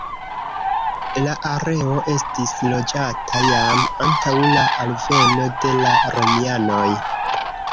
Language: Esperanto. La areo estis loĝata jam antaŭ la alveno de la romianoj.